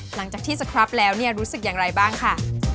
หลังจากที่สครับแล้วเนี่ยรู้สึกอย่างไรบ้างค่ะ